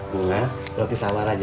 bunga roti tawar aja